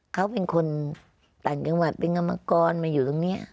เขาเป็นคนต่างจังหวัดเป็นกรรมกรมาอยู่ตรงนี้